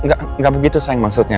enggak begitu sayang maksudnya